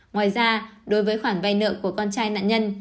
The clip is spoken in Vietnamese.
ngoài ra đối với khoản vay nợ của con trai nạn nhân